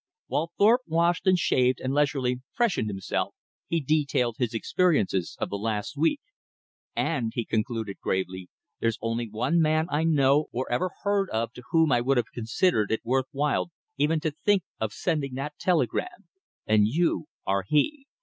While Thorpe washed and shaved and leisurely freshened himself, he detailed his experiences of the last week. "And," he concluded gravely, "there's only one man I know or ever heard of to whom I would have considered it worth while even to think of sending that telegram, and you are he.